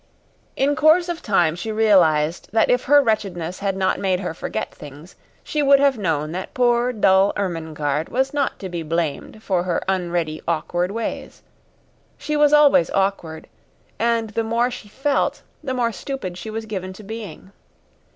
In course of time she realized that if her wretchedness had not made her forget things, she would have known that poor, dull Ermengarde was not to be blamed for her unready, awkward ways. She was always awkward, and the more she felt, the more stupid she was given to being.